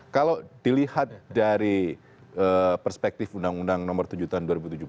kalau dilihat dari perspektif undang undang nomor tujuh tahun dua ribu tujuh belas